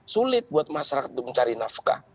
sulit buat masyarakat untuk mencari nafkah